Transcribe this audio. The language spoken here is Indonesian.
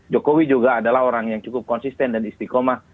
jokowi juga adalah orang yang cukup konsisten dan istiqomah